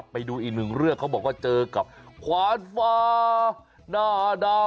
ไปดูอีกหนึ่งเรื่องเขาบอกว่าเจอกับขวานฟ้าหน้าดาว